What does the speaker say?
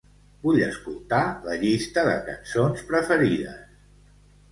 Vull escoltar la llista de cançons preferides.